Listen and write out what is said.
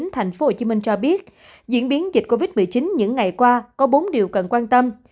thành phố hồ chí minh cho biết diễn biến dịch covid một mươi chín những ngày qua có bốn điều cần quan tâm